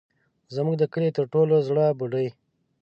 زموږ د کلي تر ټولو زړه بوډۍ.